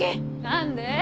何で？